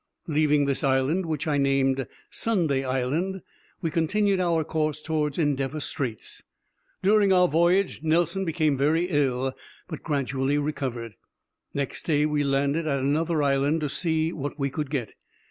Leaving this island, which I named Sunday Island, we continued our course towards Endeavor Straits. During our voyage Nelson became very ill, but gradually recovered. Next day we landed at another island, to see what we could get.